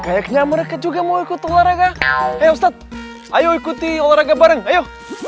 kayaknya mereka juga mau ikut olahraga ayo ustadz ayo ikuti olahraga bareng ayo